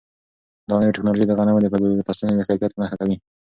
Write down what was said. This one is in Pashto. دا نوې ټیکنالوژي د غنمو د فصلونو کیفیت په نښه کوي.